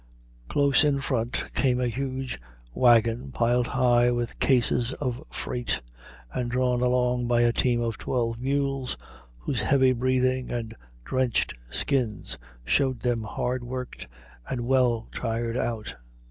Close in front came a huge wagon piled high with cases of freight, and drawn along by a team of twelve mules, whose heavy breathing and drenched skins showed them hard worked and well tired out.